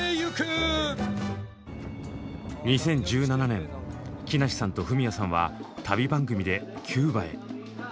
２０１７年木梨さんとフミヤさんは旅番組でキューバへ。